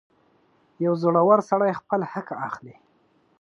• یو زړور سړی خپل حق اخلي.